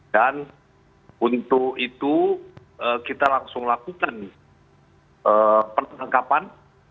dan untuk itu kita langsung lakukan penangkapan